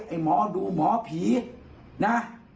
ไอ้หมอดูหมอผีนะ